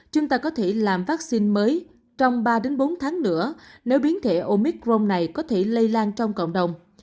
chúng ta có thể làm vaccine mới trong ba bốn tháng nữa nếu biến thể omicron này có thể lây lan trong cộng đồng